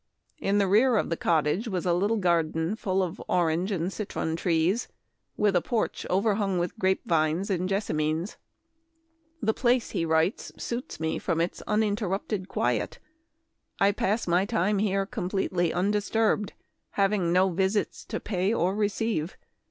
In the rear of the cottage was a little garden full of orange and citron trees, with a porch overhung with grape vines and jessamines. " The place," he writes, " suits me from its uninterrupted quiet. I pass my time here completely undisturbed, having no visits to pay or receive.